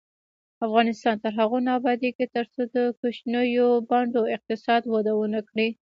افغانستان تر هغو نه ابادیږي، ترڅو د کوچنیو بانډو اقتصاد وده ونه کړي.